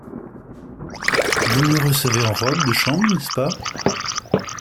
Vous me recevez en robe de chambre, n’est-ce pas ?